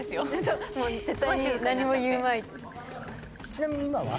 ちなみに今は？